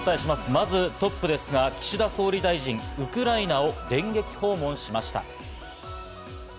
まずトップですが、岸田総理大臣、ウクライナを電撃訪問しました。